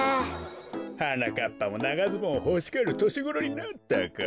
はなかっぱもながズボンほしがるとしごろになったか。